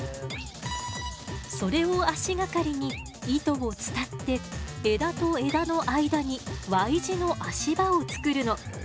それを足がかりに糸を伝って枝と枝の間にＹ字の足場をつくるの。